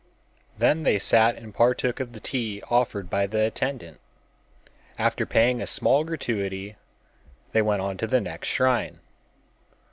Then they sat and partook of the tea offered by the attendant. After paying a small gratuity, they went on to the next shrine.